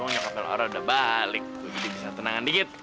tungguinnya kalau laura udah balik gue bisa tenangin dikit